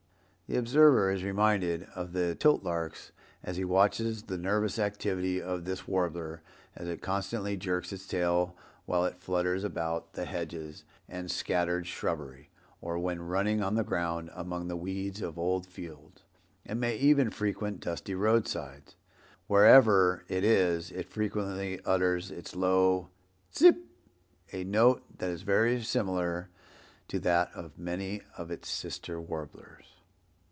The observer is reminded of the titlarks as he watches the nervous activity of this Warbler as it constantly jerks its tail while it flutters about the hedges and scattered shrubbery, or when running on the ground among the weeds of old fields. It may even frequent dusty roadsides. Wherever it is, it frequently utters its low "tsip," a note that is very similar to that of many of its sister warblers.